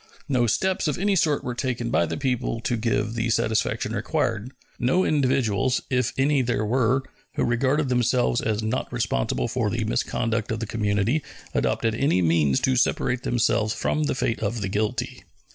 No steps of any sort were taken by the people to give the satisfaction required. No individuals, if any there were, who regarded themselves as not responsible for the misconduct of the community adopted any means to separate themselves from the fate of the guilty.